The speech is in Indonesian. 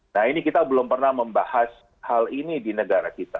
nah ini kita belum pernah membahas hal ini di negara kita